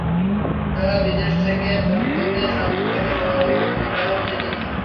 বাবা বিদেশ থেকে ফোন করলে সৎমা তাদের ফোনে কথা বলতে দিতেন না।